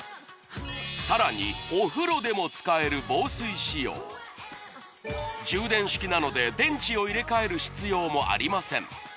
さらにお風呂でも使える充電式なので電池を入れ替える必要もありません